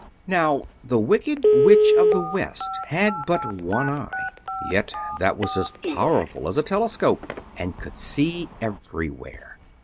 Now the Wicked Witch of the West had but one eye, yet that was as powerful as a telescope, and could see everywhere.